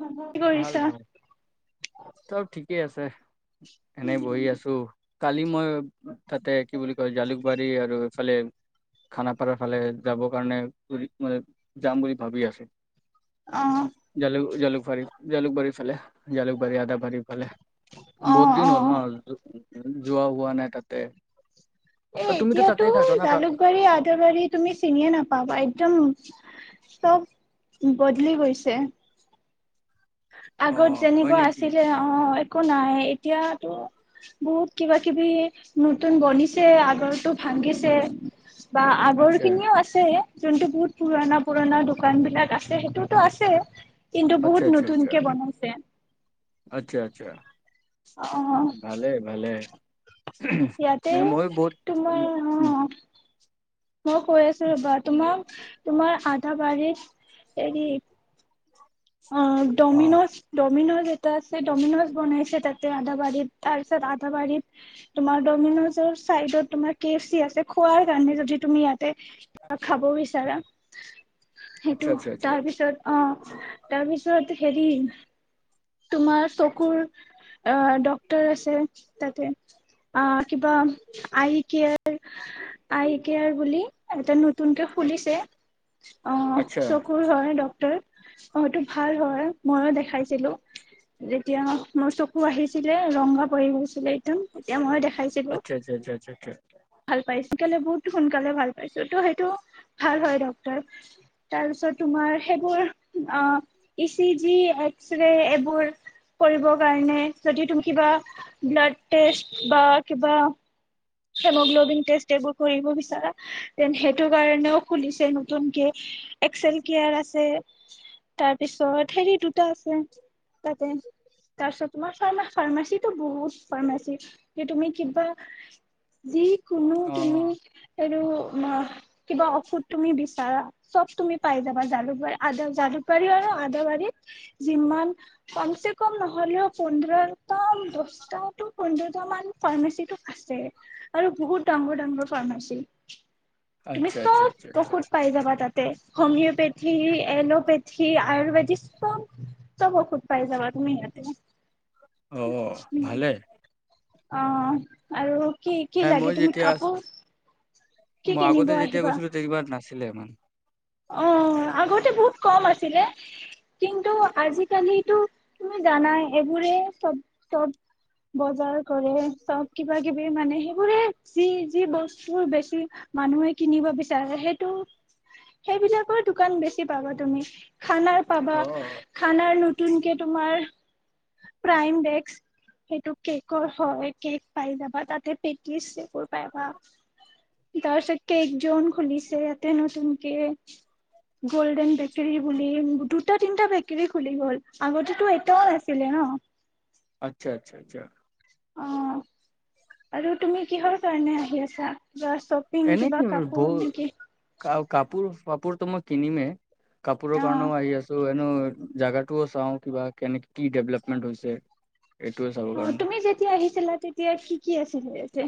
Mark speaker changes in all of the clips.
Speaker 1: কি
Speaker 2: ভাল
Speaker 1: কৰিছা?
Speaker 2: ভাল চব ঠিকেই আছে। এনেই বহি আছো। কালি মই তাতে কি বুলি কয় জালুকবাৰী আৰু এইফালে খানাপাৰাৰ ফালে যাবৰ কাৰণে মানে, যাম বুলি ভাবি আছো।
Speaker 1: অ',
Speaker 2: জালুক জালুক [unintelligible] জালুক বাৰী ফালে। জালুকবাৰী আদা বাৰী ফালে,
Speaker 1: অ',
Speaker 2: বহুত দিন হ'ল
Speaker 1: অ'।
Speaker 2: ন। যোৱা হোৱা নাই তাতে।
Speaker 1: এ
Speaker 2: অ তুমিতো
Speaker 1: এতিয়াতো
Speaker 2: তাতেই থাকা ন কা-
Speaker 1: জালুকবাৰী আদৰবাৰী তুমি চিনিয়ে নাপাবা। একদম চব বদলি হৈছে।
Speaker 2: অ
Speaker 1: আগত
Speaker 2: হয়
Speaker 1: যেনেকুৱা
Speaker 2: নেকি
Speaker 1: আছিলে অ- একো নাই এতিয়াতো বহুত কিবা কিবি নতুন বনিছে আ আগৰ টো ভাঙিগিছে বা আগৰ
Speaker 2: আচ্ছা
Speaker 1: খিনিও আছে। যোনটো বহুত পুৰণা পুৰণা দোকান বিলাক আছে সেইটোতো আছে কিন্তু
Speaker 2: আচ্ছা
Speaker 1: বহুত
Speaker 2: আচ্ছা
Speaker 1: নতুন
Speaker 2: আচ্ছা আচ্ছা আচ্ছা
Speaker 1: অ'
Speaker 2: ভালে ভালে
Speaker 1: ইয়াতে
Speaker 2: নাই ময়ো বহুত
Speaker 1: তুম অ
Speaker 2: ম-
Speaker 1: মই কৈ আছো ৰবা তোমাক তোমাৰ আধা বাৰ এৰি অ
Speaker 2: অ
Speaker 1: ডমিনোজ ডমিন'জ টা আছে ডমিনাজ বনাইছে তাতে আধাাবাৰীত তাৰ পিছত আধাাবাৰীত তোমাৰ মিনজৰ চাইডত তমাৰ কেফ চি আছে খোৱাৰ কাৰণে যদি তুমি ইয়াতে কিব খাব বিচাৰা
Speaker 2: আচ্ছা
Speaker 1: সেইটো
Speaker 2: আচ্ছা আচ্ছা
Speaker 1: তাৰ পিছত অ উ তাৰপিছততো খেলিম তোমাৰ চকুৰ ডক্টৰ আছে তাতে অ কিবা আই কে আই কেয়াৰ বুলি এটা নতুনকে ফুলিছে অ
Speaker 2: আচ্ছা
Speaker 1: চকুৰ হয় ডক্তটৰ অটো ভাল হয় মইও দেখাইছিলো যেতিয়া মোৰ চকু আহিছিলে ৰংগা পি গৈছিলে একদম এতিয়া মই দেখা
Speaker 2: আচ্ছা আচ্ছা আচ্চা
Speaker 1: ভাল পাইছ সোনকালে বহুত সোনকালে ভাল পাইছো ত' সেইটো ভাল হয় ডত্তৰ তাৰপিছত তোমাৰ সেইবোৰ আহ ই চি জি এক্সৰে এইবোৰ কৰিব কাৰণে যদি তুমি কিবা ব্লাড টেষ্ট বা কিবা হেমোগ্লবিন টেষ্ট এইবোৰ কৰিব বিচাৰা দেন সেইটো কাৰণেও খুলিছে নতুনকে এক্সেল কেয়াৰ আছে তাৰপিছত হেৰি দুটা আছে তাতে তাৰপিছত তোমাৰ ফা ফাৰ্মাচীটো বহুত ফাৰ্মাচী যে তুমি কিবা দি কোনো
Speaker 2: অ
Speaker 1: তুমি আৰু কিবা ঔষধ তুমি বিচাৰা চব তুমি পাই যাবা জালুকবাৰীদ জালুকবাৰী আৰু আদাবাৰীত যিমান কম চ কম নহলেও পোন্ধৰটা দছটা পোন্ধৰটা মান ফাৰ্মাচী আছে আৰু বহুত ডাঙৰ ডাঙৰ ফাৰ্মাচী তুমি
Speaker 2: আচ্ছা আচ্ছা আচ্ছা
Speaker 1: চব
Speaker 2: আচ্ছা
Speaker 1: ঔষুধ পাই যাবা তাতে হমিঅপেথি এল'পেথি আয়ু্বেদিক সব চব খুত পাই যাবা তুমি ইয়াতে
Speaker 2: অহ
Speaker 1: উম
Speaker 2: ভালে।
Speaker 1: অ আৰু কি কি
Speaker 2: হাই
Speaker 1: লাগে
Speaker 2: মই
Speaker 1: তুমি
Speaker 2: যেতিয়া আ
Speaker 1: কাপোৰ কি
Speaker 2: মই
Speaker 1: কিনিব
Speaker 2: আগতে যেতিয়া
Speaker 1: আহিবা
Speaker 2: গৈছিলো কিবা নাছিলে ইমান
Speaker 1: অ আগতে বহুত কম আছিলে কিন্তু আজিকালো তুমি জানাই এইবোৰে চব চব বজাৰ কৰে চব কিবা কিবি মানে সেইবোৰে যি যি বস্তু বেছি মানুহে কিনিব বিচাৰে সেইটো। সেই বিলাকত দোকান বেছি পাবা তুমি খানাৰ পাবা
Speaker 2: অ
Speaker 1: খানাৰ নতুনকে তোমাৰ প্ৰাইম ডেক্স সেইটো কেকৰ হয় কেক পাই যাবা তাতে পেটিছবোৰ পাইাবা তাৰপিছত কেক জন খুলিছে ইয়াতে নতুনকে গল্ডেন বেকাৰী বুলি দুটা তিনটা বেকাৰী খুলি গ'ল আগতেতো এটাও নাছিলে। ন
Speaker 2: আচ্ছা আচ্ছা আচ্ছা
Speaker 1: অঁ আৰু তুমি কিহৰ কাৰণে আহি আছা। কিবা শ্বপিং
Speaker 2: এনে
Speaker 1: কিবা কাপোৰ
Speaker 2: ব
Speaker 1: নেকি
Speaker 2: ক কাপোৰ কাপোৰ মই কিনিমে কাপোৰৰ
Speaker 1: অ
Speaker 2: কাৰণেও আহি আছো এনেও জাগাটো ও চাও কিবা কেনে কি ডেভেলপমেন্ট হৈছে। এইটোয়ে চাবৰ
Speaker 1: অঁ
Speaker 2: কাৰণে
Speaker 1: তুমি যেতিয়া আহিছিলা তেতিয়া কি কি আছিলে যে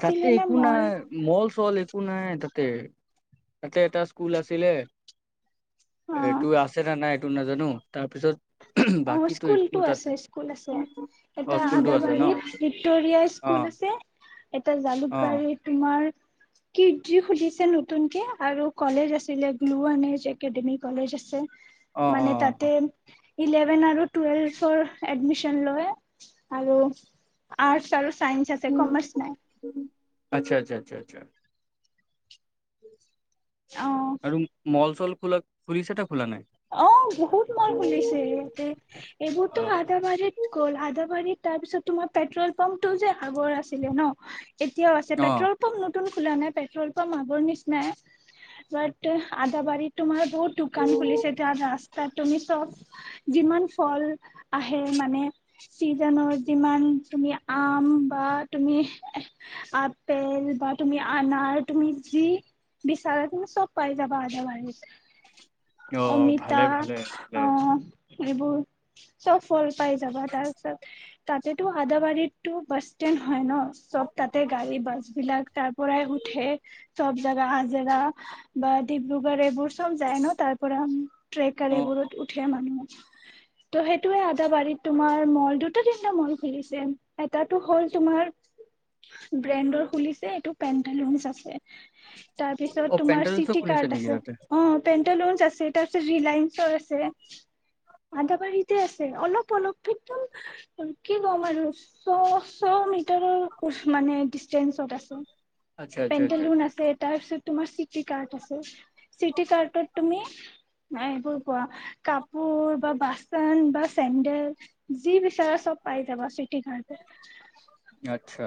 Speaker 2: তাতে একো নাই মল চল একো নাই তাতে তাতে এটা স্কুল আছিলে।
Speaker 1: অ',
Speaker 2: এইটো আছে নে নাই নাজানো তাৰ পিছত
Speaker 1: অঁ স্কুলতটো আছে স্কুল আছে
Speaker 2: অ
Speaker 1: এটা
Speaker 2: স্কুলটো আছে ন
Speaker 1: আদাবাৰীত ভিক্টৰিয়া স্কুল
Speaker 2: অ',
Speaker 1: আছে। এটা
Speaker 2: অ',
Speaker 1: জালুকবাৰী তোমাৰ আমাৰ পি জি খুজিছে নতুন কে আৰু কলেজ আছিলে গ্লু আনজ একাডেমি কলেজ আছে।
Speaker 2: অ',
Speaker 1: মানে
Speaker 2: অ', অ',
Speaker 1: তাতে ইলেভেন আৰু টুৱেলভৰ এডমিচন লয় আৰু আৰ্ট আৰু চাইন্স আছে কমাৰচ নাই।
Speaker 2: আচ্ছা আচ্ছা আচ্ছা আচছা।
Speaker 1: উম
Speaker 2: আৰু মল চল বিলাক খুলিছে তাত
Speaker 1: অঁ বহুত মান খুলিছে ইহঁতে এইবোৰতো
Speaker 2: অ',
Speaker 1: আদাবাৰীত গ'ল আদাবাৰীত তাৰ পিছত তোমাৰ পেট্ৰল পাম্পটো যে আগৰ আছিলে ন এতিয়াও আছে
Speaker 2: অ',
Speaker 1: পেট্ৰল পাম্প নতুন খোলা নাই পেট্ৰল পাম্প আগৰ নিচিনাই ব আদাবাৰীত তোমাৰ বহুত দোকান খুলিছে। ৰাস্তাত তুমি চব যিমান ফল আহে মানে চিজনৰ যিমান তুমি আম বা তুমি আপেল বা তুমি আনাৰ তুমি যি বিচাৰা তুমি চব পাই যাবা আদাবাৰীত অমিতা
Speaker 2: ভালে, ভালে, ভালে
Speaker 1: অঁ যিবোৰ চব ফল-মূল পাই যাবা তাৰ পিছত তাতেতো আদাবাৰীতো বাছ ষ্টেণ্ড হয় ন চব তাতে গাড়ী বাছ বিলাক তাৰ পৰাই উঠে চব জাগা জাগা বা ডিব্ৰুগড় এইবোৰ। চব যায় ন তাত। ট্ৰেকাৰ
Speaker 2: অ',
Speaker 1: এইবোৰত উঠে, মানুহ ত সেইটোয়ে আদাবাৰীত তোমাৰ মল দুটা মল খুলিছে, এটাটো হ'ল তোমাৰ ব্ৰেণ্ডৰ খুলিছে এইটো পেণ্টালুন আছে। তাৰপিছত
Speaker 2: অ',
Speaker 1: তোমাৰ
Speaker 2: পেণ্ডেলছো
Speaker 1: চিটি
Speaker 2: খুলিছে
Speaker 1: কাৰ্ড
Speaker 2: নেকি
Speaker 1: আছে।
Speaker 2: তাতে?
Speaker 1: অ' পেণ্টেলন আছে। সেইটা আছে ৰিলায়ন্স আছে আদাবাৰী আ অলপ-অলপ, একদম কি ক'ম আৰু ছ-ছ, মিটাৰৰ মানে ডিচেঞ্চত আছে।
Speaker 2: আচ্ছা, আচ্ছা, আচ্ছা,
Speaker 1: পেণ্টেলুন
Speaker 2: আচ্ছা,
Speaker 1: আছে। তাৰ পিছত তোমাৰ চিটি কাৰ্ড আছে। চিটি কাৰ্তত তুমি ন এইবোৰ কোৱা কাপোৰ বা বাচন বা চেন্দেল, যি বিচাৰে চব পাই যাবা। চিটি কৰ্টট।
Speaker 2: আচ্ছা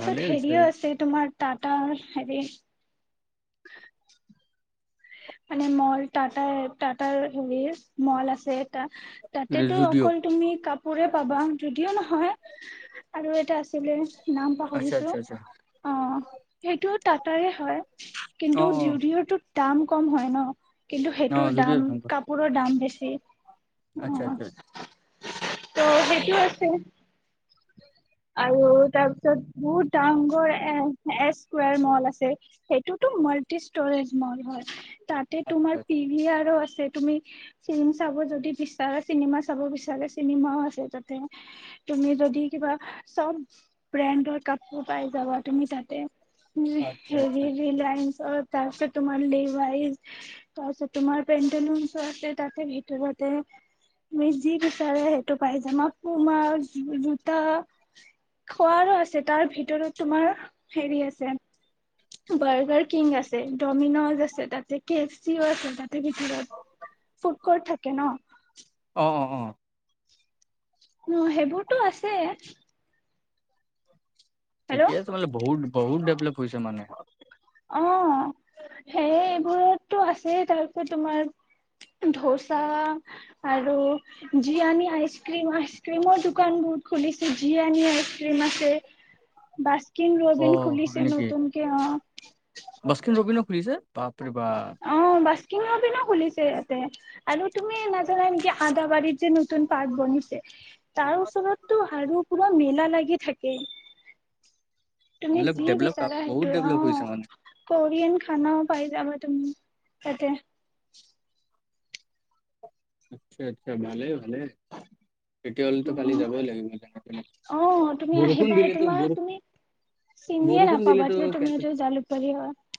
Speaker 2: ভালে হৈছে
Speaker 1: হেৰিও আছে তোমাৰ, টাটা হেৰি [inaudible] মানে মল টাটা-টাটাৰ হেৰি মল আছে এটা। তাতেতো
Speaker 2: জুডিঅ'
Speaker 1: অকল তুমি কাপ সুৰে পাবা জুদিও নহয় আৰু এটা আছিলে। নাম
Speaker 2: আচ্ছা, আচ্ছা,
Speaker 1: পাহৰিছো,
Speaker 2: আচ্ছা
Speaker 1: অ' সেইটো টাৰে হয়
Speaker 2: অ',
Speaker 1: কিন্তু
Speaker 2: অ',
Speaker 1: জুডিয়'টোত দাম কম হয় ন। কিন্তু
Speaker 2: অ',
Speaker 1: সেইটোৰ দাম
Speaker 2: জুডিঅ'
Speaker 1: কাপোৰৰ দাম বেছি, জি
Speaker 2: আচ্ছা, আচ্ছা, আচ্ছা,
Speaker 1: অ', ত সেইটো আছে। আৰু তাৰপিছত বহুত ডাঙঘৰ এ-এস্কাৰ মল আছে সেইটোতো মাল্টি ষ্টৰেজ মল হয়। তাতে তোমাৰ পঢ়ি আৰু আছে। তুমি চ চাব যদি বিচাৰা চিনেমা চাব বিচাৰা চিনেমাও আছে। তাতে তুমি য কিবা চব ব্ৰেণ্ডৰ কাপোৰ পাই যাবা তুমি তাতে।
Speaker 2: আচ্ছা,
Speaker 1: হেৰি
Speaker 2: আচ্ছা
Speaker 1: ৰিলায়েনচৰ তাৰপিছত তোমাৰ লেভাইজ তাৰপিছত তোমাৰ পেন্তলচো আছে। তাতে ভিতৰতে তুমি যি বিচাৰে সেইটো পাই যাম। পুমা জো এ খোৱাৰো আছে তাৰ ভিতৰত তোমাৰ হেৰি আছে। বাৰ্গাৰ কিং আছে, ডমিন'জ আছে, তাতে কেফ চিও আছে তাতে ভিতৰত ফুড কৰ্ট থাকে ন।
Speaker 2: অ', অ', অ'।
Speaker 1: অ' সেইবোৰতো আছে। হেল্ল'
Speaker 2: ঠিকে আছে মানে বহুত। বহুত ডেভলপ হৈছে মানে।
Speaker 1: অ' সেই-এইবোৰতটো আছেই। তাৰপিছত তোমাৰ ধোচা আৰু জীয়ণী আইচক্ৰীম, আইচক্ৰীমৰ দোকান বহুত খুলিছে। জীয়ণী আইচক্ৰীম আছে। বস্কিন ৰবিন
Speaker 2: অ', হয়
Speaker 1: খুলিছে
Speaker 2: নেকি
Speaker 1: নতুন কে অ'।
Speaker 2: বাস্কিন ৰবিনো খুলিছে? বাপ ৰে বাপ।
Speaker 1: কিন ৰবিনো খুলিছে ইয়াতে। আৰু তুমি নাজানা নেকি, আদাবাৰীত যে ন নতুন পাৰ্ক বনিছে। তাৰ ওচৰতটো আৰু পুৰা মেলা লাগি থাকে। তুমি
Speaker 2: অলপ
Speaker 1: যি
Speaker 2: ডেভলপ
Speaker 1: বিচাৰা
Speaker 2: বহুত
Speaker 1: সেইটো,
Speaker 2: ডেভলপ হৈছে
Speaker 1: অ'
Speaker 2: মানে।
Speaker 1: ক'ৰিয়ান খানাও পাই যাবা তম তাতে।
Speaker 2: আচ্ছা আচ্ছা ভালেই। তেতিয়াহ'লেতো কালি
Speaker 1: উম
Speaker 2: যাবই লাগিব সেইপিনে।
Speaker 1: অ' তুমি
Speaker 2: বৰষুণ
Speaker 1: আহিবা
Speaker 2: দিলেতো
Speaker 1: তোমাৰ
Speaker 2: বৰষু
Speaker 1: তুমি চিনিয়ে
Speaker 2: বৰষুণ
Speaker 1: নাপাবা
Speaker 2: দিলেতো
Speaker 1: যে তুমি
Speaker 2: কেনচেল।
Speaker 1: এইটো জালুকবাৰী হয়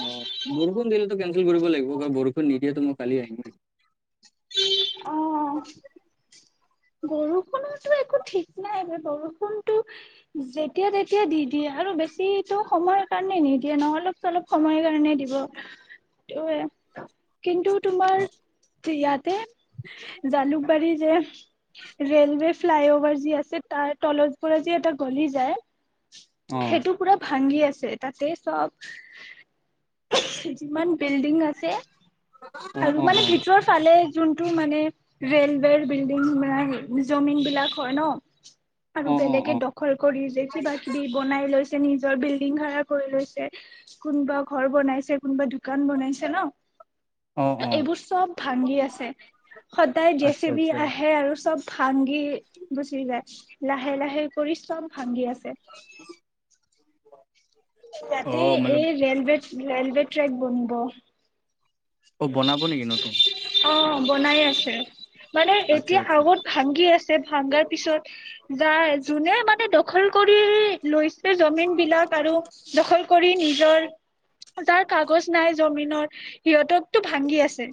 Speaker 2: অ' বৰষুণ দিল কেনচেল কৰিব লাগিব। বৰষুণ নিদিয়েতো মই কালি আহিম ন?
Speaker 1: অ'। বৰষুণতো একো ঠিক নাই। ব-বৰষুণতটো যেতিয়া-তেতিয়া দি দিয়ে। আৰু বেছি সময়ৰ কাৰণে নিদিয়ে ন অলপ-চলপ সময় কাৰণে দিব। সেইটোৱে। কিন্তু তোমাৰ,
Speaker 2: অ
Speaker 1: ইয়াতে জালুক পাৰি যে ৰে'লৱে ফ্লাইঅভাৰ যি আছে, তাৰ তলৰ পৰা যে এটা গলি যায়।
Speaker 2: অ
Speaker 1: সেইটো পুৰা ভাল ভাগি আছে। তাতে চব, যিমান বিল্ডিং আছে। আৰু
Speaker 2: অ
Speaker 1: মানে ভিতৰৰ ফালে যোনটো মানে ৰে'লৱেৰ বিল্ডিং মানে [unintelligible] জমিনবিলাক হয় ন?
Speaker 2: অ অ
Speaker 1: আৰু
Speaker 2: অ
Speaker 1: বেলেগে দখল কৰি যে কিবাকিবি বনাই লৈছে। নিজৰ বিল্ডিং ভাড়া কৰি লৈছে। কোনোবা ঘৰ বনাইছে, কোনোবা দোকান বনাইছে ন?
Speaker 2: অ অ অ
Speaker 1: এইবোৰ চব ভাগি আছে। সদায়
Speaker 2: আচ্ছা
Speaker 1: জেচিবি
Speaker 2: আচ্ছা
Speaker 1: আহে, আৰু [unintelligible] সি গুচি গ'ল। লাহে লাহে কৰি চম ভাঙগি [inaudible]
Speaker 2: ় [inaudible]
Speaker 1: তাতে এই ৰেলৱেত ৰেলৱে ট্ৰেক বনিব
Speaker 2: অ' বনাব নেকি নতুন।
Speaker 1: অ বনাই আছে। মানে
Speaker 2: আচ্ছা
Speaker 1: এতিয়া
Speaker 2: আচ্ছা
Speaker 1: আগত ভাগি আছে ভাগাৰ পিছত যায় যোনে মানে দখল কৰি লৈছে। জমিন বিলাক আৰু দখল কৰি নিজৰ তাৰ কাগজ নাই জমিনৰ সিহঁতক। টো ভাগি আছে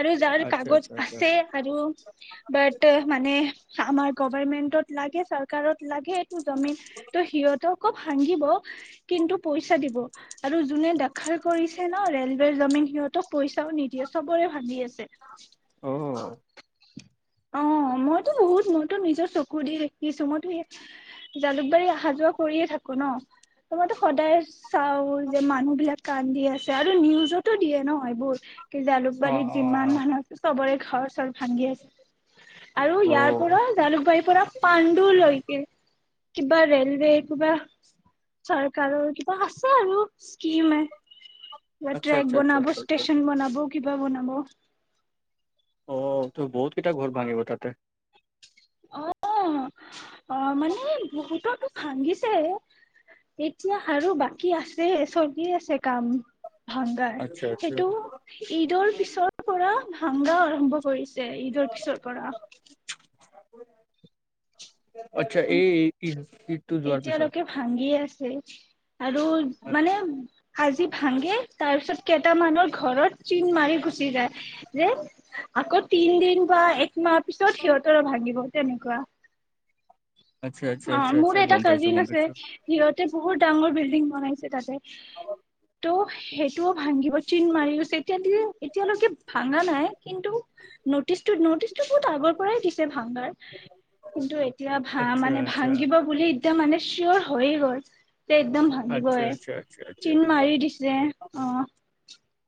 Speaker 1: আৰু যাৰ
Speaker 2: আচ্ছা
Speaker 1: কাগজ
Speaker 2: আচ্ছা আচ্ছা
Speaker 1: আছে আৰু বাট মানে আমাৰ গভাৰমেন্টত। লাগে চৰকাৰত লাগে। জমিন তো সিহঁতক আকৌ। ভাঙিব কিন্তু পইচা দিব আৰু যোনে দেখাৰ কৰিছে ন ৰেলৱেৰ জমিন সিহঁতক পইচাও নিদিয়ে চবৰে ভাগি আছে।
Speaker 2: অ
Speaker 1: অ মইতো বহুত মইতো নিজৰ চকু দি শিকিছো মইতো জালুকবাৰী অহা যোৱা কৰিয়ে থাকো ন ত মইতো সদায় চাও যে মানুহ বিলাক কান্দি আছে আৰু নিউজতো দিয়ে ন? হয় তো কি
Speaker 2: অ
Speaker 1: জালুকবাৰীত
Speaker 2: অ
Speaker 1: যিমান মানুহ আছে। চবৰে ঘৰ চৰ ভাংগি আছে। আৰু
Speaker 2: অ
Speaker 1: ইয়াৰ
Speaker 2: অ'
Speaker 1: পৰা জালুকবাৰী পুৰা পাণ্ডুলৈকে কিবা ৰেলৱে কিবা চৰকাৰৰ কিবা আছে আৰু স্কিমে কিবা
Speaker 2: আচ্ছা
Speaker 1: ট্ৰেক
Speaker 2: আচ্ছা আচছা
Speaker 1: বনাব,
Speaker 2: আচছা
Speaker 1: ষ্টেচন বনাব কিবা বনাব।
Speaker 2: অ' তই বহুত কেইটা ঘৰ ভাঙিব তাতে।
Speaker 1: অ' অ' মানে বহুত। ভাঙিছে এতিয়া আৰু বাকী আছে চলি আছে কাম। ভাগাৰ
Speaker 2: আচ্ছা
Speaker 1: সেইটো ঈদৰ
Speaker 2: আচ্ছা
Speaker 1: পিছৰ পৰা মাংগা ও [inaudible] আৰম্ভ কৰিছে ঈদৰ পিছৰ পৰা।
Speaker 2: অ' আচ্ছা এই ইঈ ইঈদটো যোৱাৰ পিছত।
Speaker 1: উম আৰু মানে আাজি ভাাগে তাৰপিছত। কেইটা মানুহৰ ঘৰত চিন মাৰি গুচি যায় যে আকৌ তিন দিন বা মাৰ পিছত সিহঁতৰ ভাবিব। তেনেকুৱা।
Speaker 2: আচ্ছা আচ্ছা
Speaker 1: অ
Speaker 2: আচ্ছা
Speaker 1: মোৰ
Speaker 2: আচ্ছা
Speaker 1: এটা
Speaker 2: গম পাইছো
Speaker 1: কাজিন
Speaker 2: গম
Speaker 1: আছে,
Speaker 2: পাইছো
Speaker 1: সিহঁতে বহুত ডাঙৰ বিল্ডিং বনাইছে তাতে। টো [unintelligible] ও ভাঙিব চিন মাৰি গৈছে, এতিয়ালে এতিয়ালৈকে ভ ভঙা নাই কিন্তু নতিচটো নটিচ টো বহুত আগৰ পৰাই দিছে ভঙাৰ কিন্তু এতিয়া ভা
Speaker 2: আচ্ছা
Speaker 1: মানে
Speaker 2: আচ্ছা
Speaker 1: ভাঙিব বুলি একদম মানে চিয়ৰ হৈয়ে গল। যে একদম
Speaker 2: আচ্ছা
Speaker 1: ভাঙিবই
Speaker 2: আচ্ছা আচ্ছা আচ্ছা
Speaker 1: চিন মাৰি দিছে অ।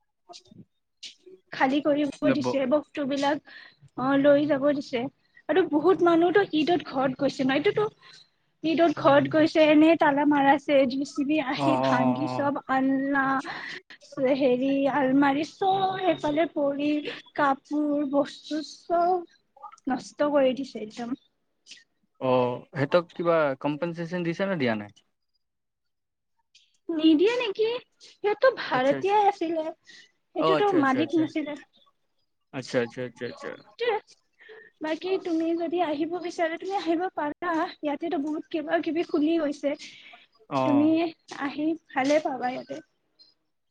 Speaker 1: [unintelligible] খালী কৰিব
Speaker 2: যাব।
Speaker 1: দিছে বস্তু বিলাক। অ লৈ যাব দিছে আৰু বহুত মানুহতো ঈদত ঘৰত গৈছে ন। এইটোতো ঈদত ঘৰত গৈছে এনেই তালা মাৰা আছে। চ যি চি বি
Speaker 2: অ অ অ
Speaker 1: আহি ভাগি চব আনা হেৰি আলমাৰি চই সফালে পৰি কাপোৰ বস্তু চব নষ্ট কৰি দিছে একদম।
Speaker 2: অ সিহঁতক কিবা কম্পেনচচন দিছে নে দিয়া নাই?
Speaker 1: নিদিয়ে নেকি? সিহঁতো
Speaker 2: আচ্ছা আচ্ছা
Speaker 1: ভাৰাটিয়া আছিলে
Speaker 2: অ
Speaker 1: সেইটোতো
Speaker 2: আচ্ছা আচ্ছা
Speaker 1: মালিক
Speaker 2: আচ্ছা
Speaker 1: নাছিলে।
Speaker 2: আচ্ছা আচ্ছা আচ্ছা আচ্ছা
Speaker 1: বাকী তুমি যদি য আহিব বিচাৰা তুমি আহিব পাৰা, ইয়াতেতো বহুত কিবা কিবি খুলি গৈছে।
Speaker 2: অ
Speaker 1: যে তুমি আহি ভালে পাবা ইয়াতে।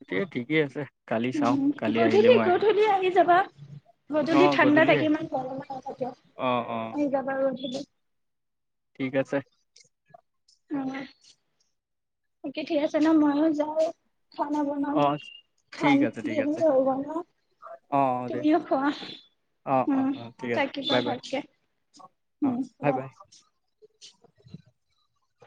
Speaker 2: এতিয়া ঠিকেই আছে। কালি চাওঁ
Speaker 1: উম
Speaker 2: কালি আহিলে
Speaker 1: গধূলি
Speaker 2: মই আহিম
Speaker 1: গধূলি আহি যাবা।
Speaker 2: অ
Speaker 1: গধূলি ঠাণ্ডা
Speaker 2: গধূলিয়ে
Speaker 1: থাকে, ইমান গৰম নাথাকে।
Speaker 2: অ অ
Speaker 1: আহি যাবা আৰু গধূলি
Speaker 2: ঠিক আছে।
Speaker 1: অহ। [unintelligible] ঠিক আছে ন মইয়ো যাওঁ। খানা বনাম,
Speaker 2: অ
Speaker 1: খাম
Speaker 2: ঠিক আছে ঠিক আছে
Speaker 1: দেখিয়েই হব ন?
Speaker 2: অ দে
Speaker 1: তুমিও খোৱা।
Speaker 2: অ অ
Speaker 1: উম
Speaker 2: অ ঠিক আছে
Speaker 1: থাকিব
Speaker 2: বাই বাই
Speaker 1: ভালকে।
Speaker 2: অ
Speaker 1: উম ব
Speaker 2: বাই বাই
Speaker 1: [inaudible] উ